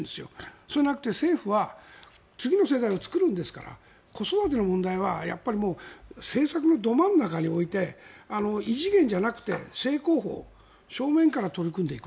そうじゃなくて政府は次の世代を作るんですから子育ての問題は政策のど真ん中に置いて異次元じゃなくて正攻法正面から取り組んでいく。